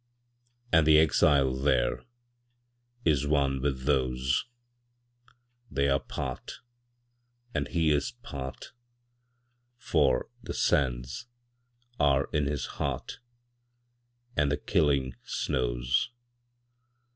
And the exile thereIs one with those; They are part, and he is part, For the sands are in his heart, And the killing snows.